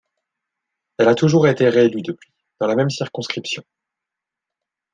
Elle a toujours été réélue depuis, dans la même circonscription.